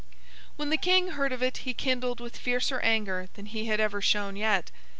When the King heard of it he kindled with fiercer anger than he had ever shown yet.